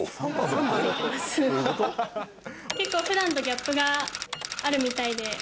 結構普段とギャップがあるみたいで。